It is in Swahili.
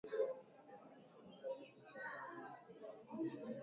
Amezunguka sana akitafuta mpenzi